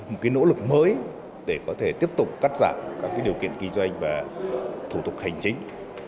một cái nỗ lực mới để có thể tiếp tục cắt giảm các điều kiện kinh doanh và thủ tục hành chính